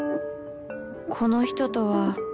この人とは